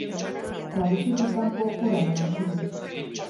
Tradiziotik kanpo, udan, eman ziren.